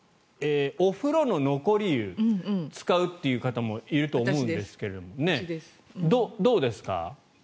お風呂の残り湯、使う方もいると思うんですけどもどうですか？